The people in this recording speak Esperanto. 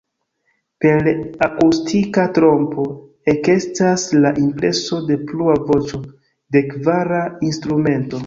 Per akustika trompo ekestas la impreso de plua voĉo, de kvara instrumento.